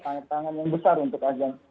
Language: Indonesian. tantangan yang besar untuk ajam